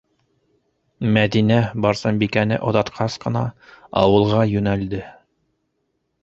Мәҙинә Барсынбикәне оҙатҡас ҡына ауылға йүнәлде.